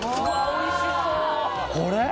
おいしそうこれ？